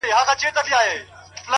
• مـاتــه يــاديـــده اشـــــنـــا،